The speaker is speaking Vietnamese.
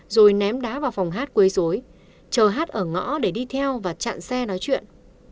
rồi ném đá vào phòng hát quấy dối chờ hát ở ngõ để đi theo và chặn xe nói chuyện